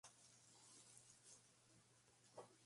Las tiendas y bares estatales comenzaron a registrar las compras.